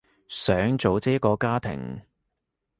想組織一個家庭